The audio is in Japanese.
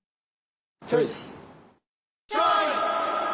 チョイス！